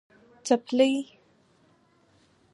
🩴څپلۍ